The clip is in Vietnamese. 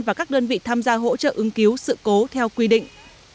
và các đơn vị tham gia hỗ trợ ứng cứu sự cố theo quy định